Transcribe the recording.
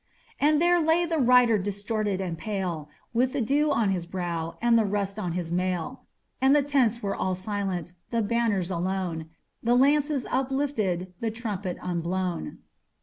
And there lay the rider distorted and pale, With the dew on his brow, and the rust on his mail; And the tents were all silent the banners alone Thelances uplifted the trumpet unblown.